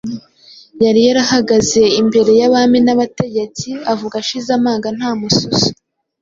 Yari yarahagaze imbere y’abami n’abategetsi avuga ashize amanga nta mususu